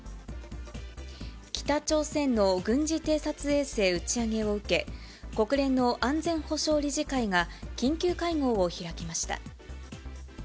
北朝鮮の軍事偵察衛星打ち上げを受け、国連の安全保障理事会が緊急会合を開きました。